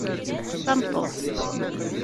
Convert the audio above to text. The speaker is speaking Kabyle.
D tameṭṭut.